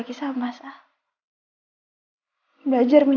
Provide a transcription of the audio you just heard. tidak ada yang bisa dikawal